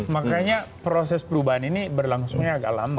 makanya proses perubahan ini berlangsungnya agak lambat